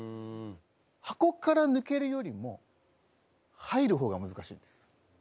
箱から抜けるよりも入る方が難しいんです。